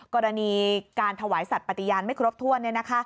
กรณีการถวายสัตว์ปฏิญาณไม่ครบถ้วน